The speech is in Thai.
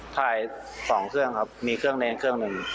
ถ่าย๒เครื่องครับมีเครื่องเนรเครื่องหนึ่ง